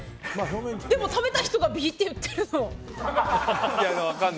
でも食べた人がＢって言ってる。